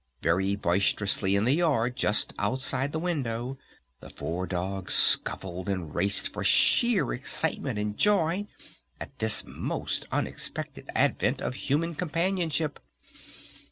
Very boisterously in the yard just outside the window the four dogs scuffled and raced for sheer excitement and joy at this most unexpected advent of human companionship.